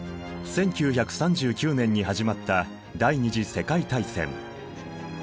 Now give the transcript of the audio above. １９３９年に始まった第二次世界大戦。